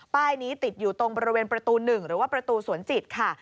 ป้ายนี้ติดอยู่ตรงบริเวณประตู๑หรือว่าประตูสวนจิตค่ะ